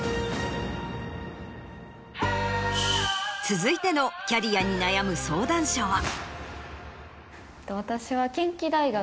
続いてのキャリアに悩む相談者は。